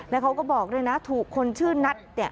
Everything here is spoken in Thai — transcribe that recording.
แล้วเขาก็บอกด้วยนะถูกคนชื่อนัท